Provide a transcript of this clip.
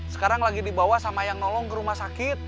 sekarang lagi dibawa sama yang nolong ke rumah sakit